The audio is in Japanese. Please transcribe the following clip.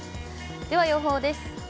では予報です。